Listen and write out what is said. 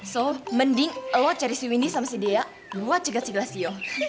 so mending lo cari si windy sama si dea buat cegat si gilesio